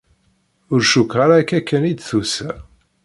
Ur cukkeɣ ara akka kan i d-tusa.